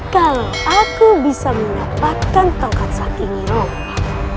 kalau aku bisa mendapatkan tongkat saat ini roma